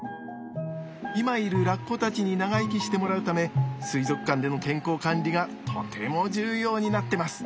今いるラッコたちに長生きしてもらうため水族館での健康管理がとても重要になってます。